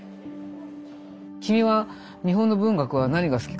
「君は日本の文学は何が好きか？